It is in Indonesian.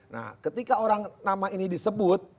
nah ketika orang nama ini disebut